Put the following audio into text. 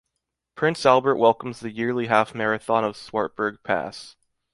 Prince Albert welcomes the yearly half marathon of Swartberg Pass.